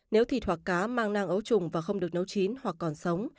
nếu thịt hoặc cá mang nang ấu trùng và không được nấu chín hoặc còn sống